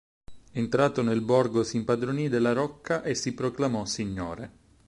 Entrato nel borgo si impadronì della rocca e si proclamò signore.